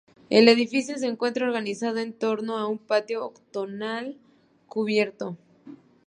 El edificio se encuentra organizado en torno a un patio octogonal cubierto.